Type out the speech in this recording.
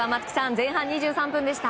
前半２３分でした。